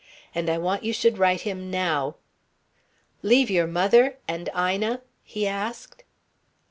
And I want you should write him now." "Leave your mother? And Ina?" he asked.